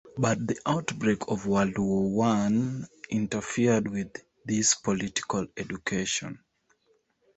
But the outbreak of World War One interfered with this political education.